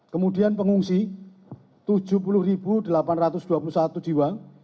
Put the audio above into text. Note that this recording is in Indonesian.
kemudian pengungsi tujuh puluh delapan ratus dua puluh satu jiwa